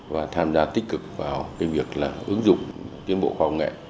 và tham gia tích cực vào cái việc là ứng dụng tiến bộ khoa học nghệ